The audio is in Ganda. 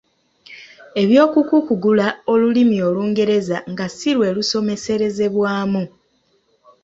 Eby’okukukugula olulimi olungereza nga si lwe lusomeserezebwamu